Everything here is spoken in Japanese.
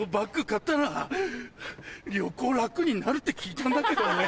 買ったら旅行楽になるって聞いたんだけどね。